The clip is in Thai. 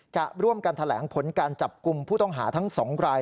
จะร่วมกันแถลงผลการจับกลุ่มผู้ต้องหาทั้ง๒ราย